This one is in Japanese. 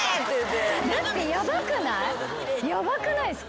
ヤバくないっすか？